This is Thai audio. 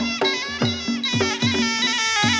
โอ๊ย